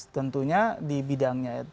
tentunya di bidangnya ya